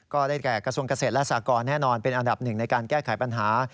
แก่กระทรวงเกษตรและสากรแน่นอนเป็นอันดับหนึ่งในการแก้ไขปัญหา